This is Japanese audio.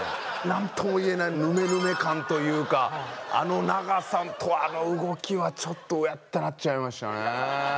何とも言えないヌメヌメ感というかあの長さとあの動きはちょっとウエッてなっちゃいましたよね。